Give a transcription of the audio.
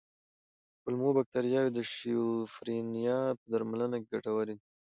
کولمو بکتریاوې د شیزوفرینیا په درملنه کې ګټورې دي.